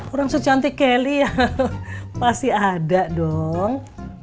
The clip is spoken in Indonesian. orang secantik kelly ya pasti ada dong